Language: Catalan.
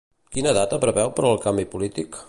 Quina data preveu per al canvi polític?